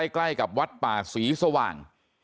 ใกล้กับวัดป่าศรีสว่าง